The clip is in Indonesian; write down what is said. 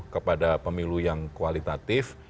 kepada pemilu yang kualitatif